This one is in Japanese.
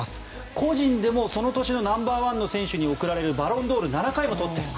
個人でもその年のナンバーワンの選手に贈られるバロンドール７回も取っている。